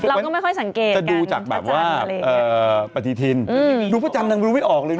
เราก็ไม่ค่อยสังเกตกันจะดูจากแบบว่าเอ่อปฏิทินอืมอยู่พระจานดังไม่รู้ไม่ออกเลย